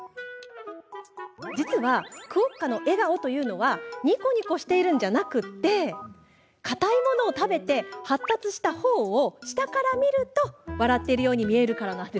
実は、クオッカの笑顔はにこにこしているのではなくかたいものを食べて発達したほおを下から見ると笑っているように見えるから。